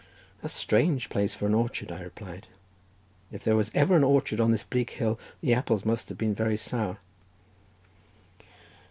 "A strange place for an orchard," I replied. "If there was ever an orchard on this bleak hill, the apples must have been very sour."